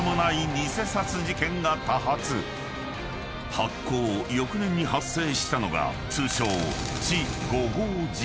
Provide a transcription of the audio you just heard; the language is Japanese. ［発行翌年に発生したのが通称］